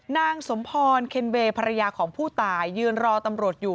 นางสมพรเคนเวย์ภรรยาของผู้ตายยืนรอตำรวจอยู่